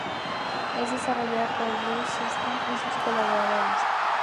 Es desarrollado por Blue Systems y sus colaboradores.